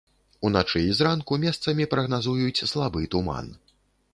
Уначы і зранку месцамі прагназуюць слабы туман.